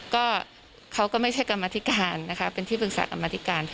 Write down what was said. ก็เขาก็ไม่ใช่กรรมธิการนะคะเป็นที่ปรึกษากรรมธิการ